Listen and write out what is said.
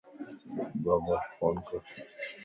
باباک فون ڪَر